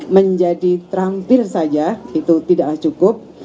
menjadi terampil saja itu tidaklah cukup